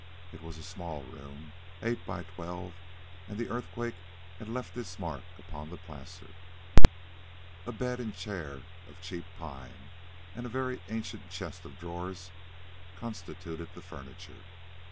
It was a small room, eight by twelve, and the earthquake had left its marks upon the plaster. A bed and chair of cheap pine and a very ancient chest of drawers constituted the furniture.